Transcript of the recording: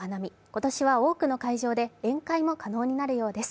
今年は多くの会場で宴会も可能になるようです。